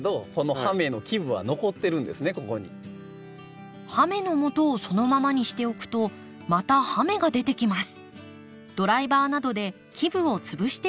葉芽のもとをそのままにしておくとまた葉芽が出てきます。